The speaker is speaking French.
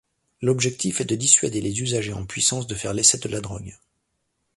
L'objectif est de dissuader les usagers en puissance de faire l'essai de la drogue.